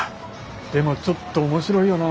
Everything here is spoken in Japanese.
でもちょっと面白いよなあ。